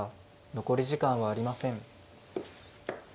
残り時間はありません。